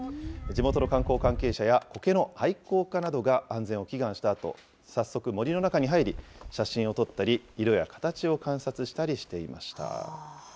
地元の観光関係者やコケの愛好家などが安全を祈願したあと、早速、森の中に入り、写真を撮ったり、色や形を観察したりしていました。